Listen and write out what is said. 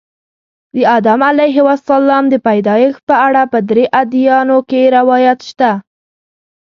د آدم علیه السلام د پیدایښت په اړه په درې ادیانو کې روایات شته.